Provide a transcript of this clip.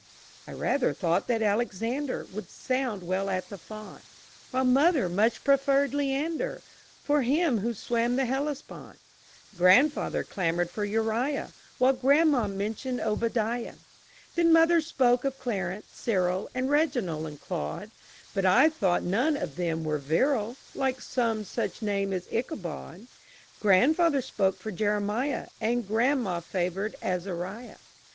_ I rather thought that Alexander Would sound well at the font, While mother much preferred Leander For him who swam the Hellespont. Grandfather clamored for Uriah, While grandma mentioned Obadiah. Then mother spoke of Clarence, Cyril, And Reginald and Claude, But I thought none of them were virile Like some such name as Ichabod. Grandfather spoke for Jeremiah. And grandma favored Azariah.